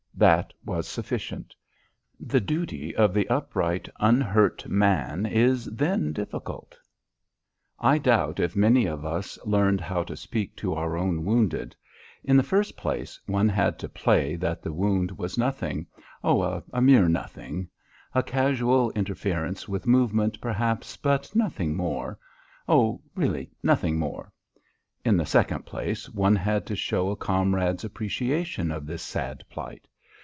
That was sufficient. The duty of the upright, unhurt, man is then difficult. I doubt if many of us learned how to speak to our own wounded. In the first place, one had to play that the wound was nothing; oh, a mere nothing; a casual interference with movement, perhaps, but nothing more; oh, really nothing more. In the second place, one had to show a comrade's appreciation of this sad plight.